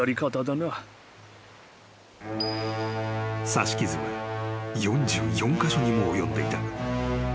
［刺し傷は４４カ所にも及んでいた］